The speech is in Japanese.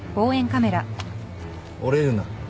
折れるな。